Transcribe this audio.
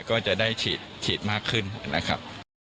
ก็จะได้ฉีดมากขึ้นนะครับ